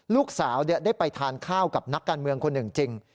ลูกสาวได้ไปทานข้าวกับนักการเมืองคนหนึ่งจริง